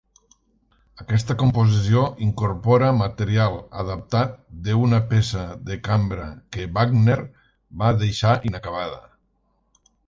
Aquesta composició incorpora material adaptat d'una peça de cambra que Wagner va deixar inacabada.